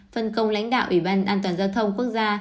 phân công lãnh đạo ủy ban an toàn giao thông quốc gia